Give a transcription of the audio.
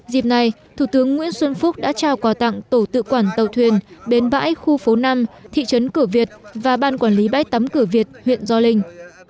dịp này thủ tướng nguyễn xuân phúc đã trao quà tặng tổ tự quản tàu thuyền bến bãi khu phố năm thị trấn cửa việt và ban quản lý bãi tắm cửa việt huyện gio linh